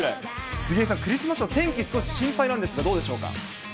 杉江さん、クリスマスの天気、少し心配なんですが、どうでしょうか。